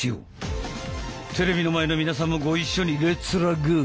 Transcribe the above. テレビの前の皆さんもご一緒にレッツラゴー！